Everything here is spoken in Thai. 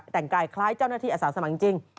แต่งกายคล้ายเจ้าหน้าที่อาสาสมัครจริง